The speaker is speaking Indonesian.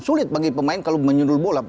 sulit bagi pemain kalau menyundul bola